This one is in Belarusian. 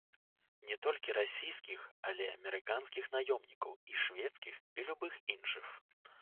Не толькі расійскіх, але і амерыканскіх наёмнікаў, і шведскіх, і любых іншых.